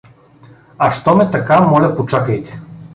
— А, щом е така, моля почакайте.